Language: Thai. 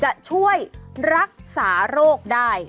จะช่วยรักษาโรคได้